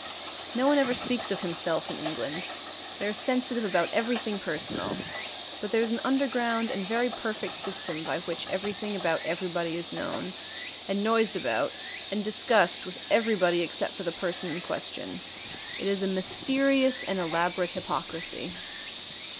No one ever speaks of himself in England. They are sensitive about everything personal. But there is an underground and very perfect system by which everything about everybody is known and noised about and discussed with everybody except the person in question. It is a mysterious and elaborate hypocrisy.